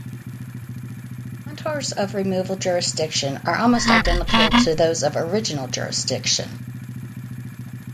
The contours of removal jurisdiction are almost identical to those of original jurisdiction.